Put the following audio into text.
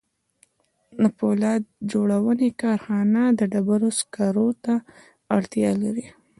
د پولاد جوړونې کارخانه د ډبرو سکارو ته اړتیا لري